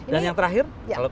dan yang terakhir